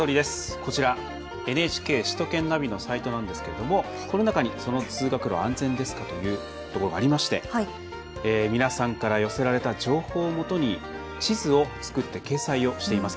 こちら、ＮＨＫ首都圏ナビのサイトなんですけれどもこの中に「その通学路、安全ですか」というところがありまして皆さんから寄せられた情報をもとに地図を作って掲載をしています。